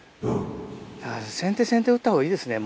先手先手を打ったほうがいいですね